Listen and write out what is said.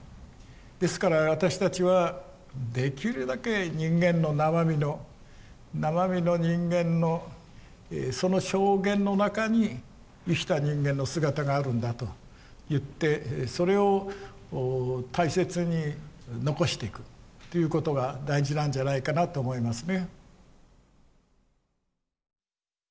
ですから私たちはできるだけ人間の生身の生身の人間のその証言の中に生きた人間の姿があるんだといってそれを大切に残していくっていうことが大事なんじゃないかなと思いますね。